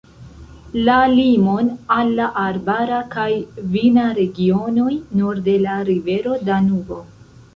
La limon al la arbara kaj vina regionoj norde la rivero Danubo.